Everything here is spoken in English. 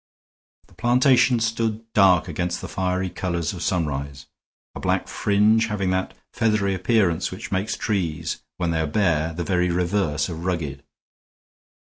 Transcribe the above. The plantation stood dark against the fiery colors of sunrise, a black fringe having that feathery appearance which makes trees when they are bare the very reverse of rugged.